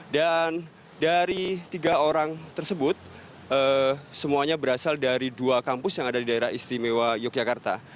dan dari tiga orang tersebut semuanya berasal dari dua kampus yang ada di daerah istimewa yogyakarta